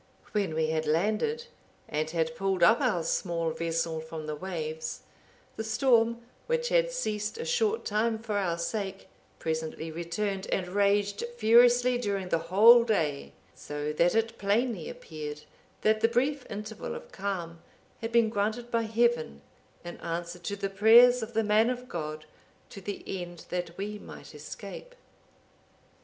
When we had landed, and had pulled up our small vessel from the waves, the storm, which had ceased a short time for our sake, presently returned, and raged furiously during the whole day; so that it plainly appeared that the brief interval of calm had been granted by Heaven in answer to the prayers of the man of God, to the end that we might escape."